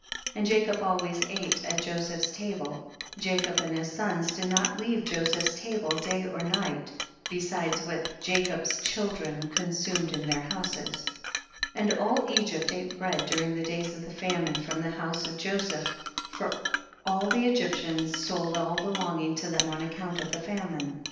28. And Jacob always ate at Jo seph's table, Jacob and his sons did not leave Josepii's table day or night, besides what Jacob's children con sumed in their houses. 29. And all Egypt ate bread dur ing the days of the famine from the house of Joseph, for all the Egyp tians sold all belonging to them on account of the famine. 30.